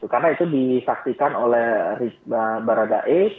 karena itu disaksikan oleh baradae